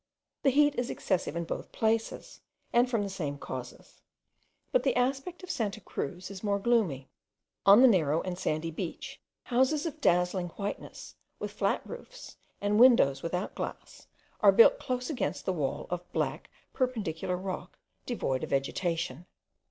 The heat is excessive in both places, and from the same causes; but the aspect of Santa Cruz is more gloomy. On a narrow and sandy beach, houses of dazzling whiteness, with flat roofs, and windows without glass, are built close against a wall of black perpendicular rock, devoid of vegetation.